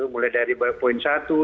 mulai dari poin satu dua tiga empat